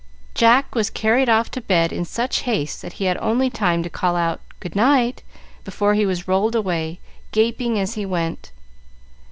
Jack was carried off to bed in such haste that he had only time to call out, "Good night!" before he was rolled away, gaping as he went.